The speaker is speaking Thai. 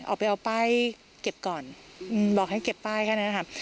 ออกไปเอาป้ายเก็บก่อนบอกให้เก็บป้ายแค่นั้นค่ะ